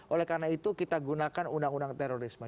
oleh karena itu kita gunakan undang undang terorisme